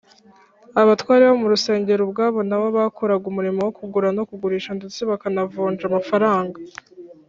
abatware bo mu rusengero ubwabo nabo bakoraga umurimo wo kugura no kugurisha ndetse bakanavunja amafaranga